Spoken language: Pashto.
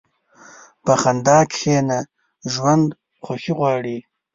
په خندا کښېنه، ژوند خوښي غواړي.